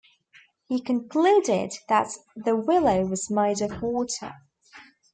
He concluded that the willow was made of water.